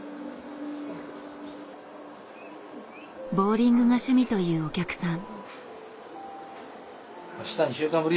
ボウリングが趣味というお客さん。